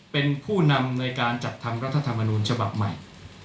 เป็นผู้นำในการจัดทำรัฐธรรมนูญฉบับใหม่